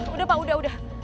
udah pak udah udah